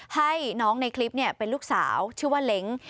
ให้น้องในคลิปเป็นลูกสาวชื่อว่าเล้ง